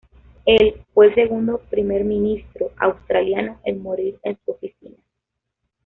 Él fue el segundo Primer Ministro Australiano en morir en su oficina.